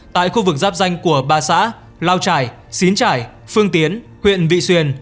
tại khu vực giáp danh của ba xã lao trải xín trải phương tiến huyện vị xuyên